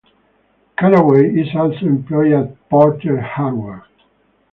Conaway is also employed at Porter Hardware.